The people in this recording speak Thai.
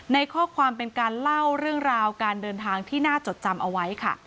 ในข้อความเป็นการเล่าเรื่องราวการเดินทางที่น่าจดจำเอาไว้ค่ะ